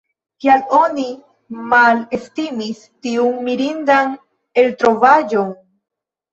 Kial oni malestimis tiun mirindan eltrovaĵon?